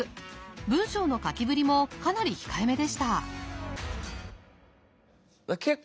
文章の書きぶりもかなり控えめでした。